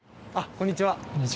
こんにちは。